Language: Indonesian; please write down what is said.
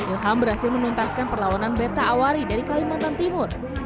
ilham berhasil menuntaskan perlawanan beta awari dari kalimantan timur